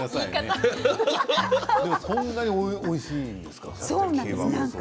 そんなにおいしいんですか。